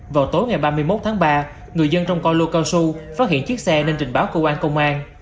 vào tối ngày ba mươi một tháng ba người dân trong coi lô cao su phát hiện chiếc xe nên trình báo cơ quan công an